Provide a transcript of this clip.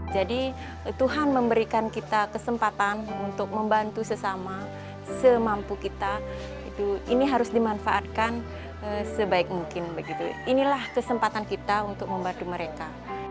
tuhan memberikan kita kesempatan untuk membantu sesama semampu kita ini harus dimanfaatkan sebaik mungkin begitu inilah kesempatan kita untuk membantu mereka